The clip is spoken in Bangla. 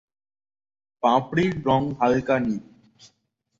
পাপড়ির রঙ হালকা নীল।